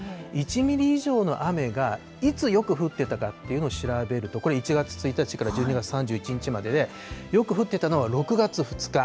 １ミリ以上の雨がいつよく降ってたかというのを調べると、これ１月１日から１２月３１日までで、よく降ってたのは６月２日。